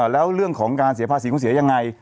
แล้วเรื่องของการเสียภาษีคุณเสียยังไง